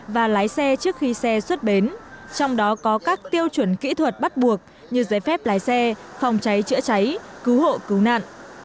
và lái xe trước khi xe xuất bến trong đó có các tiêu chuẩn kỹ thuật bắt buộc như giấy phép lái xe phòng cháy chữa cháy cứu hộ cứu nạn